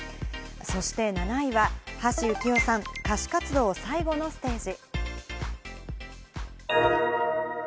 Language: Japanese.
そして７位は橋幸夫さん、歌手活動最後のステージ。